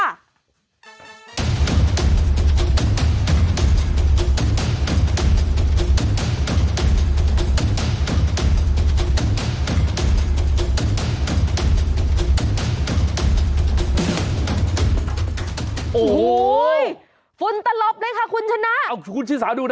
โอ้โหฝุ่นตลบเลยค่ะคุณชนะเอาคุณชิสาดูนะ